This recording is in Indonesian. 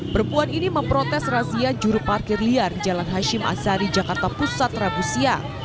perempuan ini memprotes razia juru parkir liar di jalan hashim azari jakarta pusat rabu siang